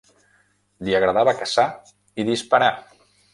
Li agradava caçar i disparar.